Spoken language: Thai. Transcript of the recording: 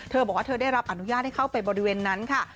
เธอบอกว่าเธอได้รับอนุญาตให้เข้าไปบริเวณนั้นค่ะ